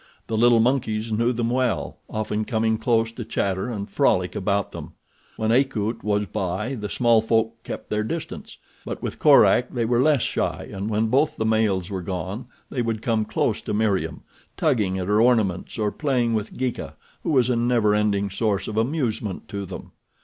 The little monkeys knew them well, often coming close to chatter and frolic about them. When Akut was by, the small folk kept their distance, but with Korak they were less shy and when both the males were gone they would come close to Meriem, tugging at her ornaments or playing with Geeka, who was a never ending source of amusement to them.